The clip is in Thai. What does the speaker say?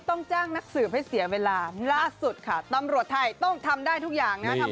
ต้องจ้างนักสืบให้เสียเวลาล่าสุดค่ะตำรวจไทยต้องทำได้ทุกอย่างนะครับ